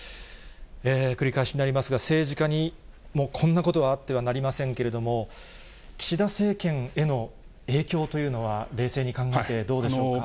繰り返しになりますが、政治家にもうこんなことはあってはなりませんけれども、岸田政権への影響というのは冷静に考えて、どうでしょうか。